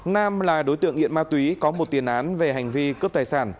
nam là đối tượng nghiện ma túy có một tiền án về hành vi cướp tài sản